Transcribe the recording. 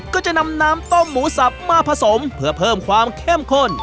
ก็จะนำน้ำต้มหมูสับมาผสมเพื่อเพิ่มความเข้มข้น